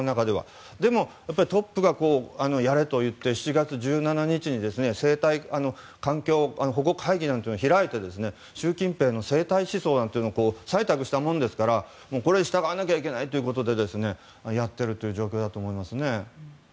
でも、トップがやれと言って、７月１７日に生態環境保護会議なんていうものを開いて習近平の生態思想なんていうのを採択したものですからこれに従わなきゃいけないということでやっているという状況だと思います。